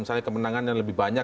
misalnya kemenangan yang lebih banyak